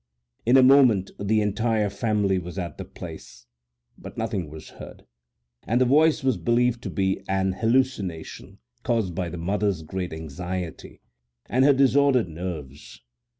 In a moment the entire family was at the place, but nothing was heard, and the voice was believed to be an hallucination caused by the motherŌĆÖs great anxiety and her disordered nerves.